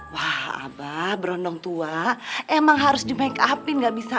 wah aba berenung tua emang harus di makeup in nggak bisa